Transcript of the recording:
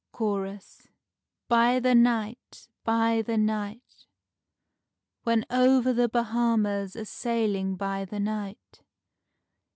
Chorus. By the night, by the night, When over the Bahamas a sailing by the night.